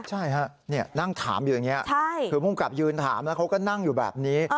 ใช่ฮะนั่งถามอยู่อย่างนี้คือภูมิกับยืนถามแล้วเขาก็นั่งอยู่แบบนี้